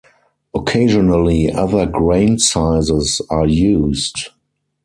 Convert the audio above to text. Occasionally other grain sizes are used.